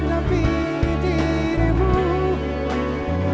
nampak sama senyumku